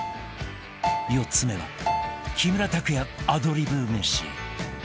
４つ目は木村拓哉アドリブ飯